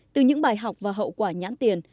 từ những bài học và hậu quả nhãn tiền